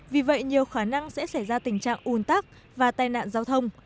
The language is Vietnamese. vì vậy nhiều khả năng sẽ xảy ra tình trạng ùn tắc và tai nạn giao thông